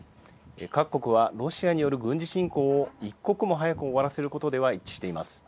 各国はロシアによる軍事侵攻を一刻も早く終わらせることでは一致しています。